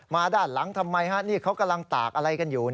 ด้านหลังทำไมฮะนี่เขากำลังตากอะไรกันอยู่